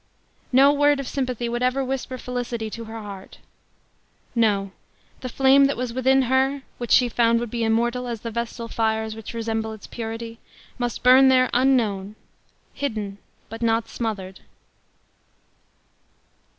No word of sympathy would ever whisper felicity to her heart; no the flame that was within her (which she found would be immortal as the vestal fires which resemble its purity) must burn there unknown; hidden, but not smothered.